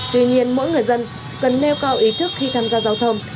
tuy nhiên mỗi người dân cần nêu cao ý thức khi tham gia giao thông